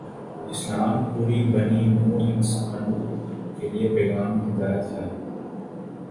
اسلام پوری بنی نوع انسان کے لیے پیغام ہدایت ہے۔